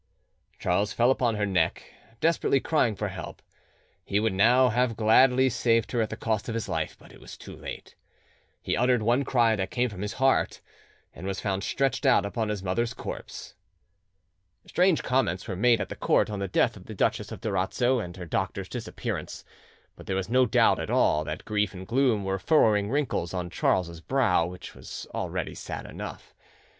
Charles fell upon her neck, desperately crying for help: he would now have gladly saved her at the cost of his life, but it was too late. He uttered one cry that came from his heart, and was found stretched out upon his mother's corpse. Strange comments were made at the court on the death of the Duchess of Durazzo and her doctor's disappearance; but there was no doubt at all that grief and gloom were furrowing wrinkles on Charles's brow, which was already sad enough.